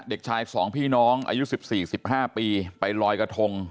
เด็กชาย๒พี่น้องอายุ๑๔๑๕ปีไปลอยกระทง